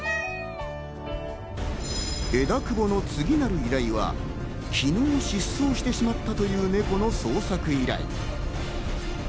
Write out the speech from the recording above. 枝久保の次なる依頼は昨日失踪してしまったというネコの捜索依頼。